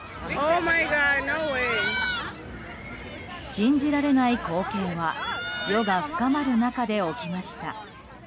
信じられない光景は夜が深まる中で起きました。